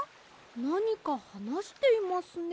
なにかはなしていますね。